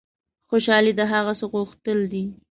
خوشحالي د هغه څه غوښتل دي.